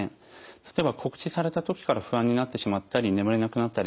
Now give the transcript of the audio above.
例えば告知された時から不安になってしまったり眠れなくなったり。